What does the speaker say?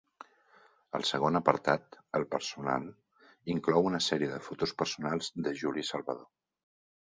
El segon apartat, el personal, inclou una sèrie de fotos personals de Juli Salvador.